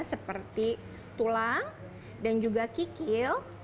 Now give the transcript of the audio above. seperti tulang dan juga kikil